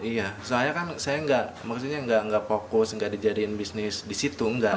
iya soalnya kan saya nggak maksudnya nggak fokus nggak dijadiin bisnis di situ nggak